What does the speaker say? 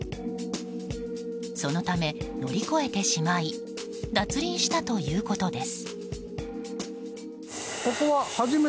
そのため、乗り越えてしまい脱輪したということです。